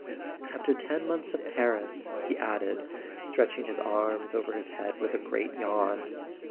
"After ten months of Paris " he added, stretching his arms over his head with a great yawn.